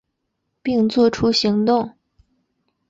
并做出行动